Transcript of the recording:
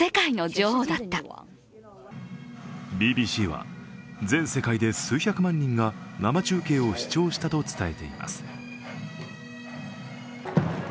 ＢＢＣは、全世界で数百万人が生中継を視聴したと伝えています。